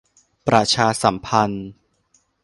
ประชาสัมพันธ์